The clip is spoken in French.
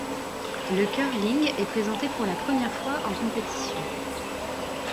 Le curling est présenté pour la première fois en compétition.